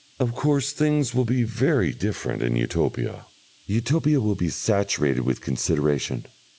Of course things will be very different in Utopia. Utopia will be saturated with consideration.